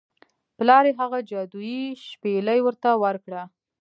پلار یې هغه جادويي شپیلۍ ورته ورکړه.